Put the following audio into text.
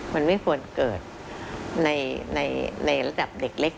มันไม่ควรเกิดในระดับเด็กเล็ก